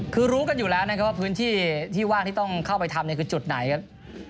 คือรู้กันอยู่แล้วนะครับว่าพื้นที่ที่ว่างที่ต้องเข้าไปทำคือจุดไหนครับ